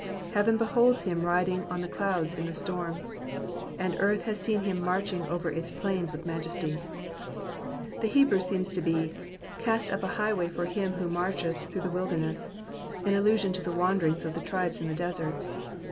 Heaven beholds him riding on the clouds in storm, and earth has seen him Digitized by VjOOQIC 216 EXI^SITIONS OP THE PSALMS. marching over its plains with majesty. The Hebrew seems to be :Cast up a highway for him who marcheth through the wilderness, in allusion to the wanderings of the tribes in the desert.